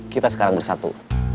kita sekarang bersatu